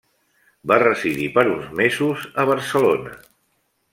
Va residir per uns mesos a Barcelona.